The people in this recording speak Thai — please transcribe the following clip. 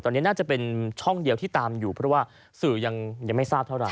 ตอนนี้น่าจะเป็นช่องเดียวที่ตามอยู่เพราะว่าสื่อยังไม่ทราบเท่าไห